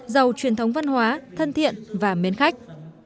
giàu truyền thống văn hóa thân thiện và mến khách